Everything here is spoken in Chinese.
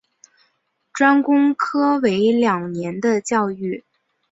专攻科为两年的教育。